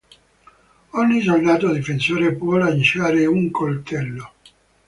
Ogni soldato difensore può lanciare un coltello.